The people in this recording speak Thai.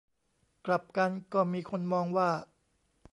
กลับกัน ก็มีคนมองว่า